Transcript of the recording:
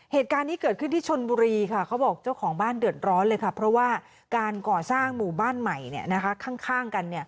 เหตุการณ์นี้เกิดขึ้นที่ชนบุรีค่ะเขาบอกเจ้าของบ้านเดือดร้อนเลยค่ะเพราะว่าการก่อสร้างหมู่บ้านใหม่ข้างกัน